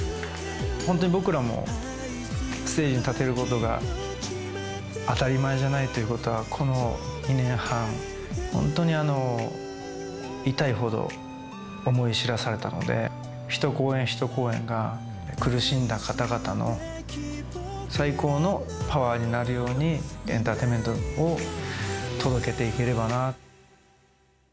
本当に僕らも、ステージに立てることが当たり前じゃないということが、この２年半、本当に痛いほど思い知らされたので、一公演一公演が苦しんだ方々の最高のパワーになるように、エンターテインメントを届けていければなと。